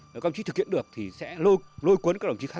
các đồng chí thực hiện được thì sẽ lôi cuốn các đồng chí khác